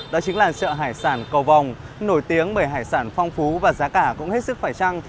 đó chính là chợ hải sản cầu vòng nổi tiếng bởi hải sản phong phú và giá cả cũng hết sức phải trăng